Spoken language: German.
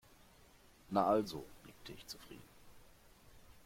Na also, nickte ich zufrieden.